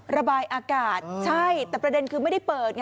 ระบายอากาศใช่แต่ประเด็นคือไม่ได้เปิดไง